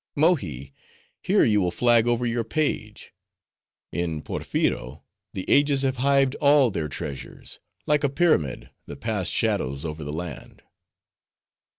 "Mohi! here you will flag over your page; in Porpheero the ages have hived all their treasures: like a pyramid, the past shadows over the land.